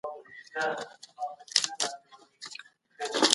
په روغتونونو کي باید د ناروغانو د درملني کیفیت لوړ سي.